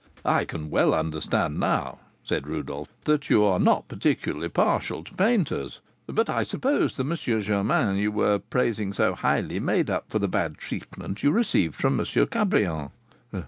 "I can well understand, now," said Rodolph, "that you are not particularly partial to painters; but I suppose the M. Germain you were praising so highly made up for the bad treatment you received from M. Cabrion?"